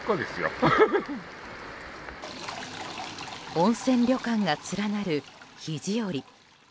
温泉旅館が連なる肘折。